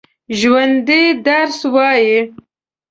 ژوندي درس وايي